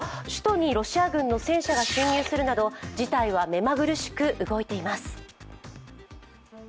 首都にロシア軍の戦車が侵入するなど事態はめまぐるしく動いています。